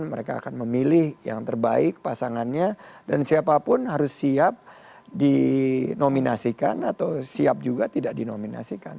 mereka akan memilih yang terbaik pasangannya dan siapapun harus siap dinominasikan atau siap juga tidak dinominasikan